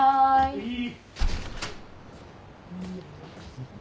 はい。